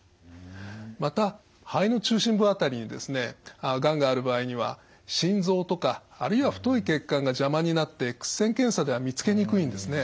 また肺の中心部辺りにですねがんがある場合には心臓とかあるいは太い血管が邪魔になってエックス線検査では見つけにくいんですね。